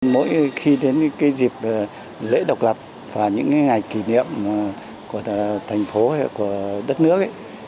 mỗi khi đến cái dịp lễ độc lập và những ngày kỷ niệm của thành phố hay của đất nước ấy